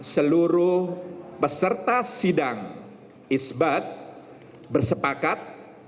seluruh peserta sidang isbat bersepakat